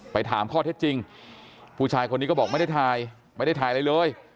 ถามข้อเท็จจริงผู้ชายคนนี้ก็บอกไม่ได้ถ่ายไม่ได้ถ่ายอะไรเลย